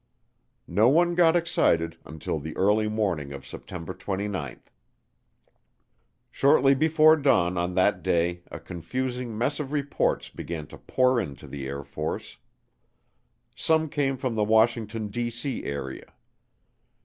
No one got excited until the early morning of September 29th. Shortly before dawn on that day a confusing mess of reports began to pour into the Air Force. Some came from the Washington, D.C., area.